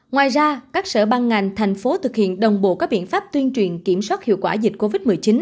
ngoài ra các sở ban ngành thành phố thực hiện đồng bộ các biện pháp tuyên truyền kiểm soát hiệu quả dịch covid một mươi chín